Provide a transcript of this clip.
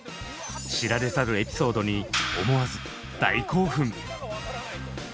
知られざるエピソードに思わず大興奮！